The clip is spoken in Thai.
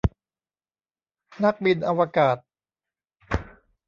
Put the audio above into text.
นักบินอวกาศ